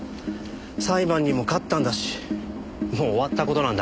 裁判にも勝ったんだしもう終わった事なんだから。